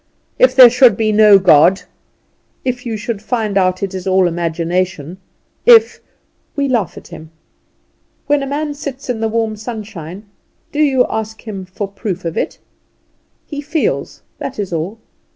If there should be no God! If you should find out it is all imagination! If " We laugh at him. When a man sits in the warm sunshine, do you ask him for proof of it? He feels that is all.